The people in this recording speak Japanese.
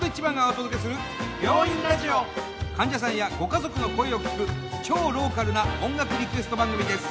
患者さんやご家族の声を聞く超ローカルな音楽リクエスト番組です。